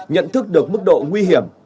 nhận thức được mức độ nguy hiểm